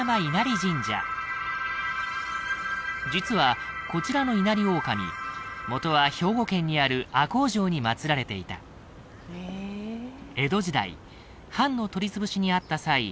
実はこちらの稲荷大神もとは兵庫県にある赤穂城に祀られていた江戸時代藩の取り潰しに遭った際